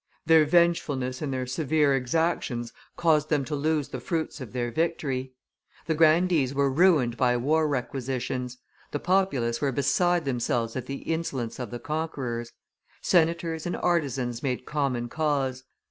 Their vengefulness and their severe exactions caused them to lose the fruits of their victory. The grandees were ruined by war requisitions; the populace were beside themselves at the insolence of the conquerors; senators and artisans made common cause.